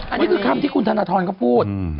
อันนี้คือคำที่คุณธนทรเขาพูด